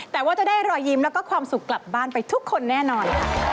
แต่ว่าจะได้รอยยิ้มแล้วก็ความสุขกลับบ้านไปทุกคนแน่นอนค่ะ